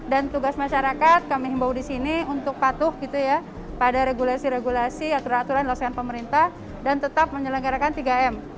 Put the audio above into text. dan tugas masyarakat kami bawa di sini untuk patuh pada regulasi regulasi aturan aturan laksanakan pemerintah dan tetap menyelenggarakan tiga m